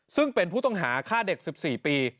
ซึ่งเป็นผู้ต้องหาฆ่าเด็ก๑๔ปี